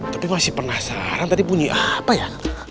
tapi masih penasaran tadi bunyi apa ya